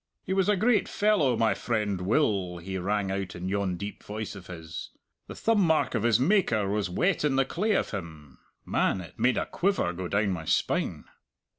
'He was a great fellow my friend Will,' he rang out in yon deep voice of his. 'The thumb mark of his Maker was wet in the clay of him.' Man, it made a quiver go down my spine."